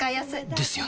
ですよね